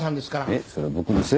えっそれ僕のせい？